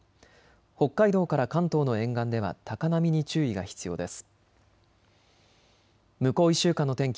北海道から関東の沿岸では高波に注意が必要です。